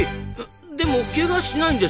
でもケガしないんですか？